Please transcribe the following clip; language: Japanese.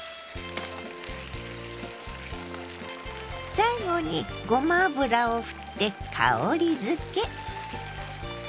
最後にごま油をふって香りづけ。